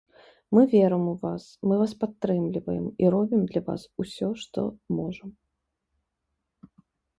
Мы верым у вас, мы вас падтрымліваем і робім для вас усё, што можам.